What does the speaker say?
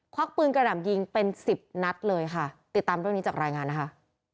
วักปืนกระหน่ำยิงเป็นสิบนัดเลยค่ะติดตามเรื่องนี้จากรายงานนะคะ